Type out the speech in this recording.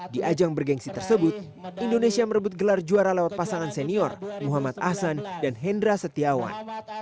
di ajang bergensi tersebut indonesia merebut gelar juara lewat pasangan senior muhammad ahsan dan hendra setiawan